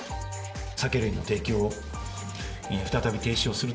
酒類の提供を再び停止をする